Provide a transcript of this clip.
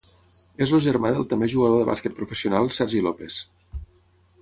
És el germà del també jugador de bàsquet professional Sergi López.